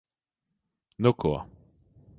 Nu ko...